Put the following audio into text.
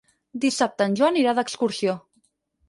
Dissabte en Joan irà d'excursió.